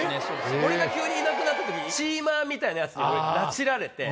俺が急にいなくなった時チーマーみたいなヤツに拉致られて。